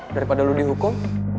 daripada lo dihukum